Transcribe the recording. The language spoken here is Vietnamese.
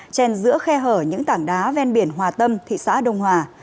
chèn giữa khe hở những tảng đá ven biển hòa tâm thị xã đông hòa